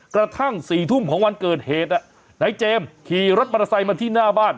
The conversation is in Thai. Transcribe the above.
กระทั่ง๔ทุ่มของวันเกิดเหตุนายเจมส์ขี่รถมอเตอร์ไซค์มาที่หน้าบ้าน